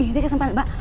ini dia kesempatan mbak